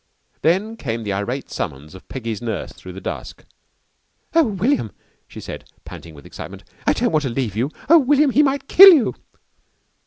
Then came the irate summons of Peggy's nurse through the dusk. "Oh, William," she said panting with excitement, "I don't want to leave you. Oh, William, he might kill you!"